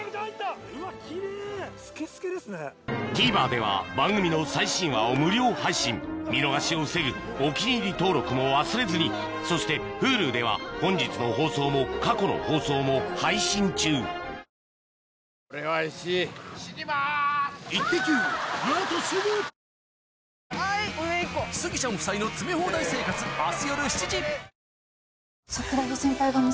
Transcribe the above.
ＴＶｅｒでは番組の最新話を無料配信見逃しを防ぐ「お気に入り」登録も忘れずにそしてＨｕｌｕでは本日の放送も過去の放送も配信中あぃ！